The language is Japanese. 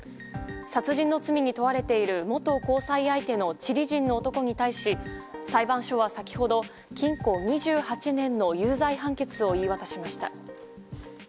殺人の罪に問われている元交際相手のチリ人の男に対し裁判所は先ほど禁固２８年の有罪判決を言い渡しました。